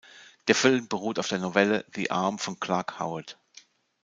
Der Film beruht auf der Novelle "The Arm" von Clark Howard.